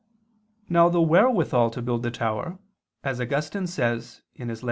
Now the wherewithal to build the tower, as Augustine says (Ep.